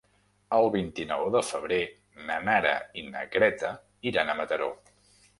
El vint-i-nou de febrer na Nara i na Greta iran a Mataró.